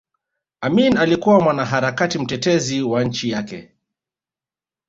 Amin alikuwa mwanaharakati mtetezi wa nchi yake